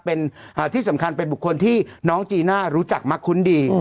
เป็นที่สำคัญเป็นบุคคลที่น้องจีน่ารู้จักมักคุ้นดี